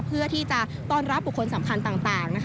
เพื่อที่จะต้อนรับบุคคลสำคัญต่างนะคะ